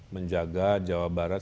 menjaga jawa barat